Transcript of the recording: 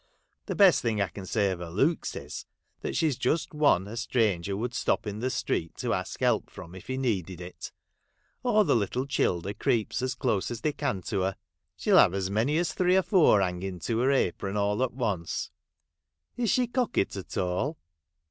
The best thing I can say of her looks is, that she 's just one a stranger would stop in the street to ask help from if he needed it. All the little childer creeps as close as they can to her ; she '11 have as many as three or four hanging to her apron all at once.' ' Is she cocket at all